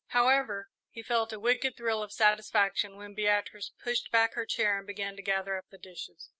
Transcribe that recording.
However, he felt a wicked thrill of satisfaction when Beatrice pushed back her chair and began to gather up the dishes.